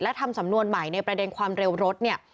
และทำสำนวนใหม่ในประเด็นความเร็วรถเนี่ย